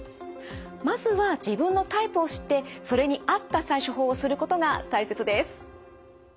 まずは自分のタイプを知ってそれに合った対処法をすることが大切です。